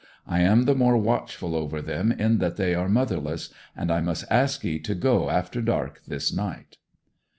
I am the more watchful over them in that they are motherless; and I must ask 'ee to go after dark this night!'